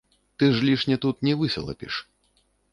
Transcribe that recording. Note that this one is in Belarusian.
Ты ж лішне тут не высалапіш.